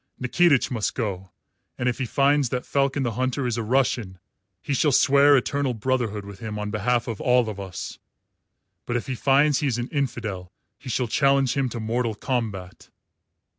Nikitich must go, and if he finds that Falcon the Hunter is a Russian he shall swear eternal brotherhood with him on behalf of all of us. But if he finds he is an infidel he shall challenge him to mortal combat."